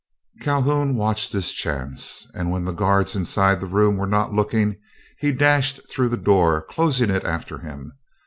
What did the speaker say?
Calhoun watched his chance, and when the guards inside the room were not looking, he dashed through the door, closing it after him.